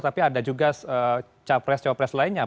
tapi ada juga cawapres cawapres lainnya